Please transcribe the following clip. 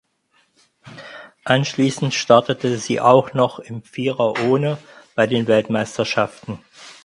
Anschließend startete sie auch noch im Vierer ohne bei den Weltmeisterschaften.